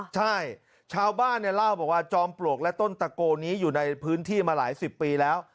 ใช่ชาวบ้านเนี่ยเล่าบอกว่าจอมปลวกและต้นตะโกนี้อยู่ในพื้นที่มาหลายสิบปีแล้ว